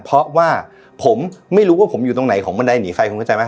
เพราะว่าผมไม่รู้ว่าผมอยู่ตรงไหนของบันไดหนีใครคุณเข้าใจไหม